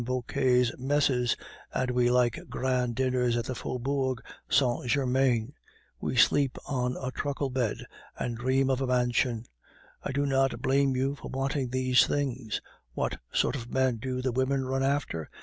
Vauquer's messes, and we like grand dinners in the Faubourg Saint Germain; we sleep on a truckle bed, and dream of a mansion! I do not blame you for wanting these things. What sort of men do the women run after?